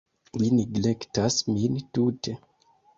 Li neglektas min tute.